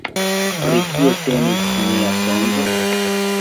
Pri kio temis mia sonĝo?